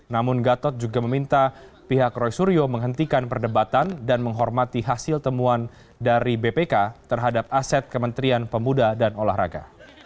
namun gatot juga meminta pihak roy suryo menghentikan perdebatan dan menghormati hasil temuan dari bpk terhadap aset kementerian pemuda dan olahraga